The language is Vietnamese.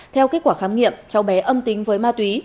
theo kết quả khám nghiệm cháu bé âm tính với ma túy